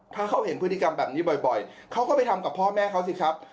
ถ้าเขาเห็นพฤติกรรมแบบนี้บ่อยเขาก็ไปทำกับพ่อแม่เขาสิครับ